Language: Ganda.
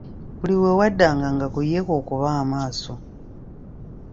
Buli wewaddanga nga ku ye kw'okuba amaaso.